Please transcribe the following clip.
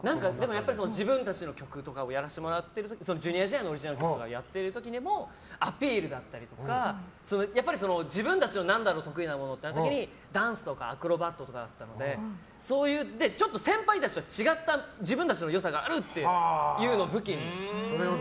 自分たちの曲とかをやらせてもらってＪｒ．時代のオリジナル曲とかをやっている時にもアピールだったりとか自分たちの得意なものってなった時にダンスとかアクロバットだったのでそういう先輩たちと違った自分たちの良さがあるっていうのを武器に。